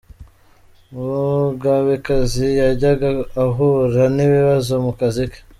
Mugabekazi yajyaga ahura n’ibibazo mu kazi ke.